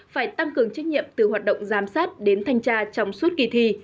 phải tăng cường trách nhiệm từ hoạt động giám sát đến thanh tra trong suốt kỳ thi